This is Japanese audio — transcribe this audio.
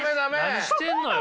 何してんのよ。